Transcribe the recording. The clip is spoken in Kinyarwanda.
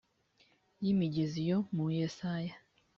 y imigezi yo mu yesaya